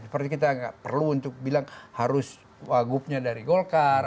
seperti kita nggak perlu untuk bilang harus wagubnya dari golkar